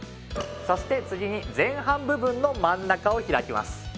そして次に前半部分の真ん中を開きます